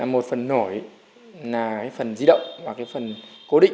một phần nổi là phần di động và cái phần cố định